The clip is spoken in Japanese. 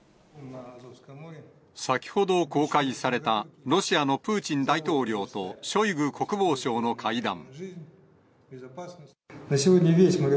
先ほど公開された、ロシアのプーチン大統領と、ショイグ国防相の会談。